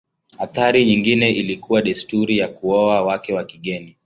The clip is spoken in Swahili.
Athari nyingine ilikuwa desturi ya kuoa wake wa kigeni.